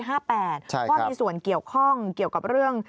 ก็มีส่วนเกี่ยวข้องเกี่ยวกับเรื่อง